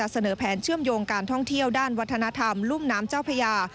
เสนอแผนเชื่อมโยงการท่องเที่ยวด้านวัฒนธรรมรุ่มน้ำเจ้าพญา